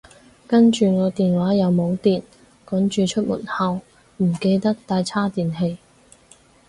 跟住我電話又冇電，趕住出門口，唔記得帶叉電器